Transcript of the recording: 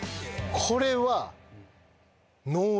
これは。